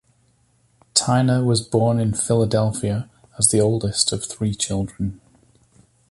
Tyner was born in Philadelphia as the oldest of three children.